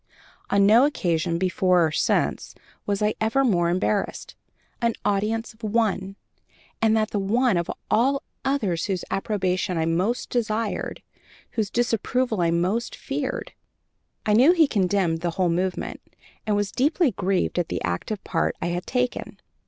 On no occasion, before or since, was I ever more embarrassed an audience of one, and that the one of all others whose approbation I most desired, whose disapproval I most feared. I knew he condemned the whole movement, and was deeply grieved at the active part I had taken.